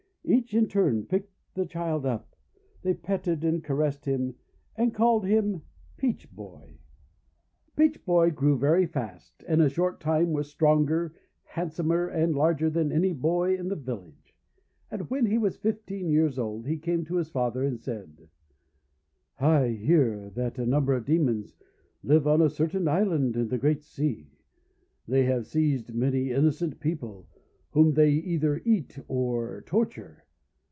Each in turn picked the child up. They petted and caressed him, and called him "Peach Boy." Peach Boy grew very fast, and in a short time was stronger, handsomer, and larger than any boy in the village. And when he was fifteen years old he came to his father and said :— "I hear that a number of Demons live on a certain island in the Great Sea. They have seized many innocent people, whom they either eat or torture.